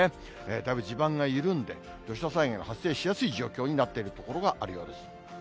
だいぶ地盤が緩んで、土砂災害が発生しやすい状況になっている所があるようです。